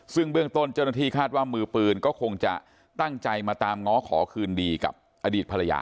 ซึ่งเบื้องต้นเจ้าหน้าที่คาดว่ามือปืนก็คงจะตั้งใจมาตามง้อขอคืนดีกับอดีตภรรยา